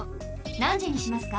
なんじにしますか？